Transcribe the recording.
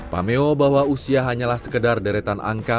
pameo bahwa usia hanyalah sekedar deretan angka